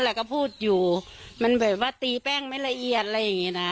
แล้วก็พูดอยู่มันแบบว่าตีแป้งไม่ละเอียดอะไรอย่างนี้นะ